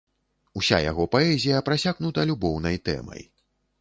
Уся яго паэзія прасякнута любоўнай тэмай.